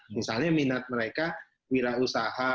misalnya minat mereka wira usaha